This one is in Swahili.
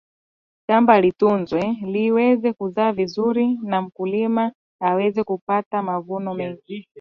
shamba litunzwe liweze kuzaa vizuri na mkulima aweze kupata mavuno mengi